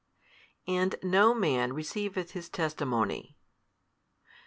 And no man receiveth His testimony.